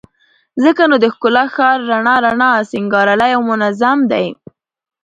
ځکه نو د ښکلا ښار رڼا رڼا، سينګارلى او منظم دى